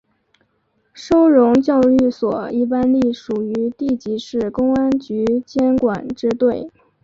收容教育所一般隶属于地级市公安局监管支队。